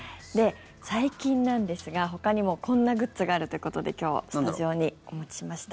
最近なんですが、ほかにもこんなグッズがあるということで今日、スタジオにお持ちしました。